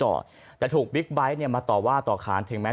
ว่าแต่ถูกบิ๊กใบ๊กเนี่ยมาต่อว่าต่อขาติง